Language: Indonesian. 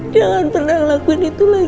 jangan pernah ngelakuin itu lagi